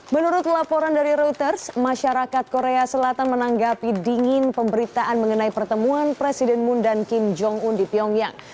menurut laporan dari reuters masyarakat korea selatan menanggapi dingin pemberitaan mengenai pertemuan presiden moon dan kim jong un di pyongyang